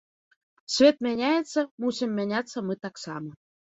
Свет мяняецца, мусім мяняцца мы таксама.